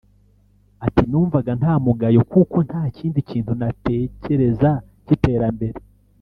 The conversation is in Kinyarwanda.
Ati”numvaga ntamugayo kuko nta kindi kintu natekereza cy’iterambere